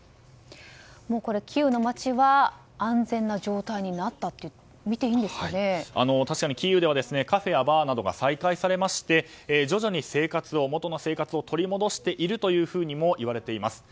キーウの街は安全な状態になったとみて確かにキーウではカフェやバーなどが再開されまして徐々に元の生活を取り戻しているともいわれています。